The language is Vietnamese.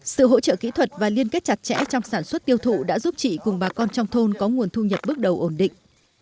sự hỗ trợ kỹ thuật và liên kết chặt chẽ trong sản xuất tiêu thụ đã giúp chị cùng bà con trong thôn có nguồn thu nhập bước đầu ổn định